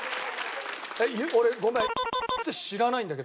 俺ごめん。